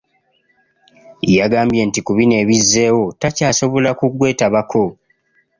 Yagambye nti ku bino ebizzeewo takyasobola kugwetabako.